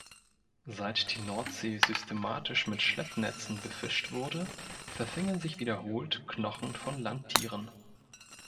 Seit die Nordsee systematisch mit Schleppnetzen befischt wurde, verfingen sich wiederholt Knochen von Landtieren.